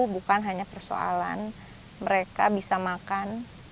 bukan hanya persoalan mereka bisa makan